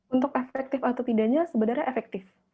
untuk efektif atau tidaknya sebenarnya efektif